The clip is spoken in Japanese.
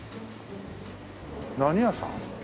何屋さん？